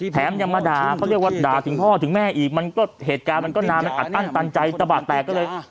แถมยังมาด่าเขาเรียกว่าด่าถึงพ่อถึงแม่อีกมันก็เหตุการณ์มันก็นานมันอัดอั้นตันใจตะบาดแตกก็เลย